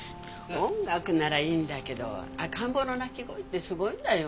音楽ならいいんだけど赤ん坊の泣き声ってすごいんだよ。